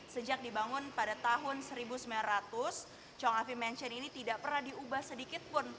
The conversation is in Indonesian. sejak dibangun pada tahun seribu sembilan ratus chong avi mention ini tidak pernah diubah sedikit pun